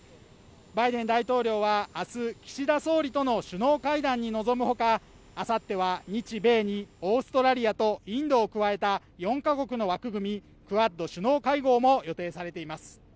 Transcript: バイデン大統領は明日、岸田総理との首脳会談に臨むほかあさっては日米にオーストラリアとインドを加えた４カ国の枠組み、クアッド首脳会合も予定されています。